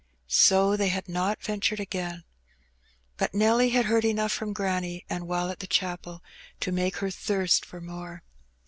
So they had not ventured again. But Nelly had heard enough from granny and while at the chapel to make her thirst for more.